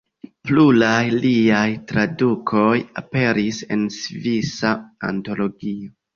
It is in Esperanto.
Pluraj liaj tradukoj aperis en Svisa antologio.